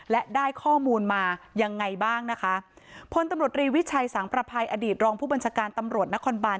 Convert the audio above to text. และได้ข้อมูลมายังไงบ้างนะคะพลตำรวจรีวิชัยสังประภัยอดีตรองผู้บัญชาการตำรวจนครบาน